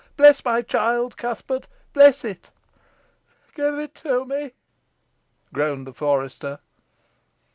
Bless my child, Cuthbert, bless it!" "Give it me!" groaned the forester.